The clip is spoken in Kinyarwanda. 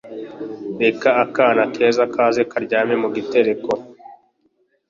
Reba akana keza keza karyamye mugitereko.